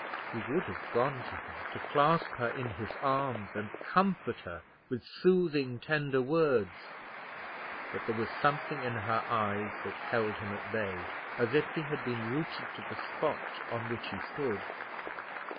He would have gone to her, to clasp her in his arms, and comfort her with soothing, tender words; but there was something in her eyes that held him at bay, as if he had been rooted to the spot on which he stood.